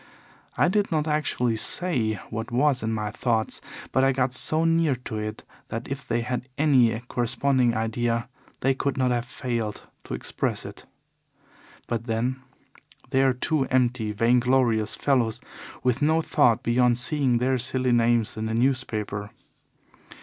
I did not actually say what was in my thoughts, but I got so near to it that if they had any corresponding idea they could not have failed to express it. But then they are two empty, vainglorious fellows with no thought beyond seeing their silly names in the newspaper.